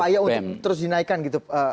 berarti ada upaya untuk terus dinaikkan gitu pak